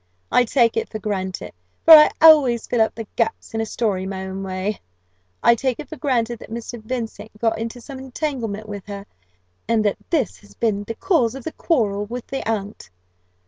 I take it for granted for I always fill up the gaps in a story my own way I take it for granted that Mr. Vincent got into some entanglement with her, and that this has been the cause of the quarrel with the aunt.